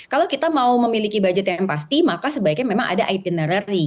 kalau kita mau memiliki budget yang pasti maka sebaiknya memang ada iptinerary